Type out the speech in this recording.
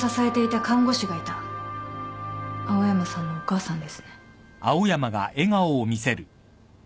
青山さんのお母さんですね。